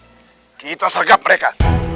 ayo kita sergap mereka